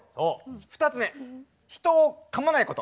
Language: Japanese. ２つ目人をかまないこと。